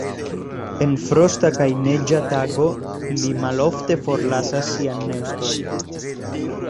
En frosta kaj neĝa tago ili malofte forlasas sian neston.